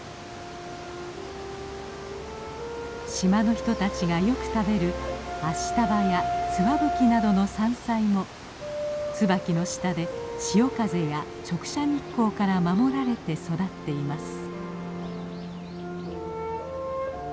島の人たちがよく食べるアシタバやツワブキなどの山菜もツバキの下で潮風や直射日光から守られて育っています。